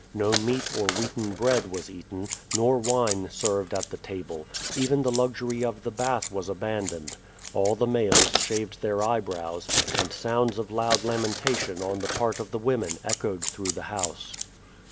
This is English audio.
No meat or wheaten bread was eaten, nor wine served at the table even the luxury of the bath was abandoned. All the males shaved their eyebrows, and sounds of loud lamentation on the part of the women echoed through the house.